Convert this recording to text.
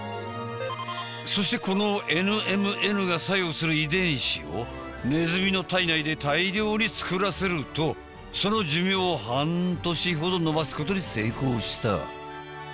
そしてこのＮＭＮが作用する遺伝子をネズミの体内で大量に作らせるとその寿命を半年ほど延ばすことに成功した。